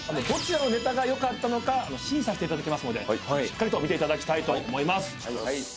どちらのネタが良かったのか審査してもらいますのでしっかり見ていただきたいと思います。